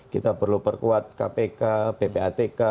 kita perlu perkuat kpk ppatk